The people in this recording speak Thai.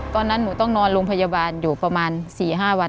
ตอนนั้นหนูต้องนอนโรงพยาบาลอยู่ประมาณ๔๕วัน